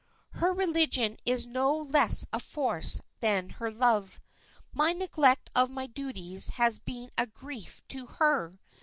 "Her religion is no less a force than her love. My neglect of my duties has been a grief to her.